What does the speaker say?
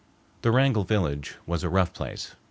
The Wrangell village was a rough place.